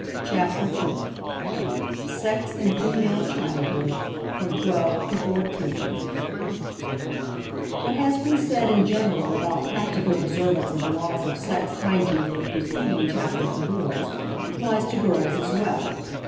CHAPTER IV SEX IN FEMALE CHILDHOOD (FROM 12 TO 14) What has been said in general about practical observance of the laws of sex hygiene in the preceding chapter for boys, applies to girls as well.